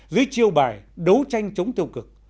dưới chiêu bài đấu tranh chống tiêu cực